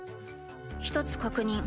一つ確認。